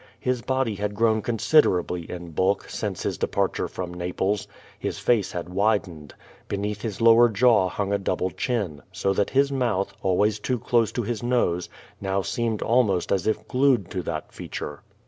His body had grown con sideralily in bulk since his departure from Naples. His facv had widened. Beneath his lower jaw hung a double chin, so that his mcmtli, always too close to his nose, now seemed almost as if glued to tliat feature.